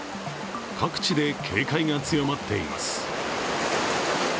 各地で警戒が強まっています。